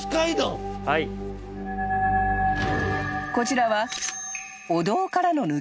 ［こちらは］